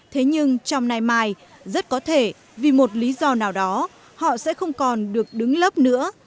thế nhưng trong nay mai rất có thể vì một lý do nào đó họ sẽ không còn được đứng lớp nữa